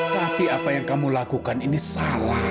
tapi apa yang kamu lakukan ini salah